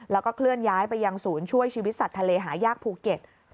แล้วก็เคลื่อนย้ายไปยังศูนย์ช่วยชีวิตสัตว์ทะเลหายากภูเก็ต